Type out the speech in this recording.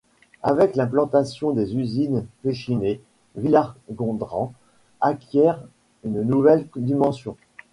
Avec l'implantation des usines Pechiney, Villargondran acquiert une nouvelle dimension.